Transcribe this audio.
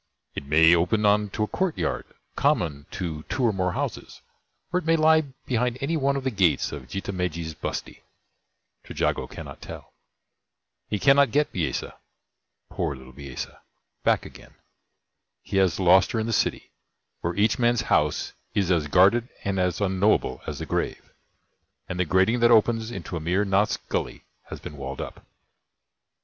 It may open on to a courtyard common to two or more houses, or it may lie behind any one of the gates of Jitha Megji's bustee. Trejago cannot tell. He cannot get Bisesa poor little Bisesa back again. He has lost her in the City, where each man's house is as guarded and as unknowable as the grave; and the grating that opens into Amir Nath's Gully has been walled up.